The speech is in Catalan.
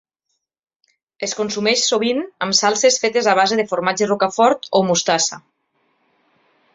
Es consumeix sovint amb salses fetes a base de formatge rocafort o mostassa.